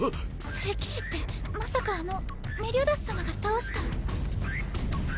聖騎士ってまさかあのメリオダス様が倒した。